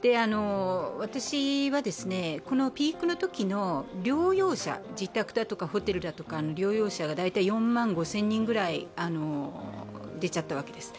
私はこのピークのときの療養者、自宅だとかホテルの療養者が４万５０００人くらい出ちゃったわけです。